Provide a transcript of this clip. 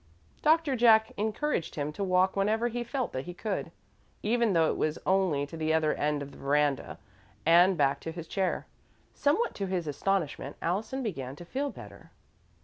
Doctor Jack encouraged him to walk whenever he felt that he could, even though it was only to the other end of the veranda and back to his chair. Somewhat to his astonishment, Allison began to feel better.